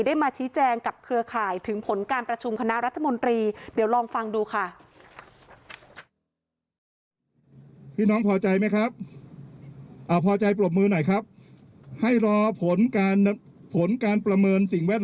ได้มาชี้แจงกับเครือข่ายถึงผลการประชุมคณะรัฐมนตรี